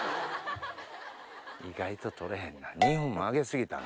意外ととれへんな。